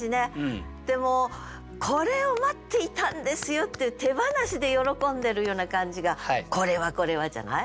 でもうこれを待っていたんですよっていう手放しで喜んでるような感じが「これはこれは」じゃない？